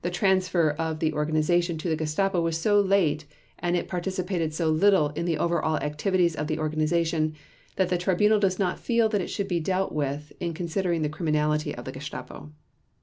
The transfer of the organization to the Gestapo was so late and it participated so little in the over all activities of the organization that the Tribunal does not feel that it should be dealt with in considering the criminality of the Gestapo.